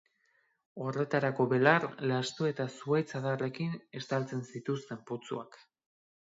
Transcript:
Horretarako belar, lasto eta zuhaitz-adarrekin estaltzen zituzten putzuak.